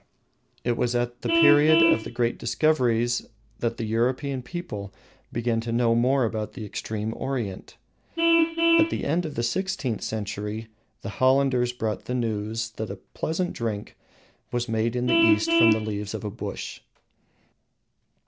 It was at the period of the great discoveries that the European people began to know more about the extreme Orient. At the end of the sixteenth century the Hollanders brought the news that a pleasant drink was made in the East from the leaves of a bush.